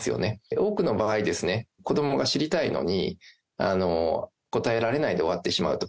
多くの場合、子どもが知りたいのに、答えられないで終わってしまうと。